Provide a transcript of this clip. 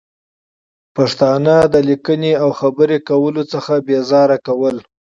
پښتانه د لیکنې او خبرې کولو څخه بې زاره کول